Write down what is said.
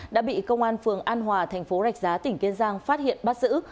đã bị công an phường an hòa tp rạch giá tp kiên giang phát hiện bắt xử